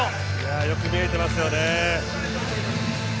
よく見えていますよね。